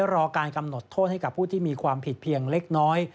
รอการกำหนดโทษให้กับผู้ที่มีความผิดเพียงเล็กน้อย